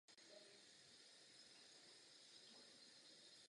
Elektromagnetické vlnění přitom není vázáno na látku a může se šířit i ve vakuu.